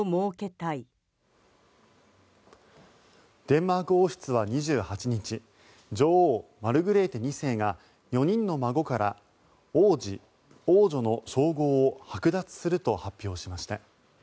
デンマーク王室は２８日女王・マルグレーテ２世が４人の孫から王子、王女の称号をはく奪すると発表しました。